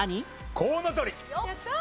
コウノトリ。